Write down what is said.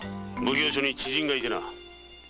奉行所に知人がいてな。